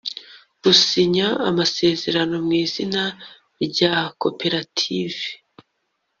gusinya amasezerano mu izina rya koperative